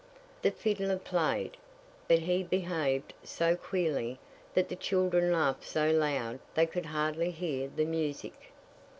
'" The fiddler played, but he behaved so queerly that the children laughed so loud they could hardly hear the music.